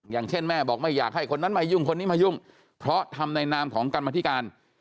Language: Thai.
อย่างเช่นแม่บอกไม่อยากให้คนนั้นมายุ่งคนนี้มายุ่งเพราะทำในนามของกรรมธิการ